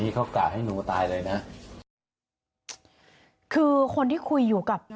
คือคนที่คุยอยู่กับ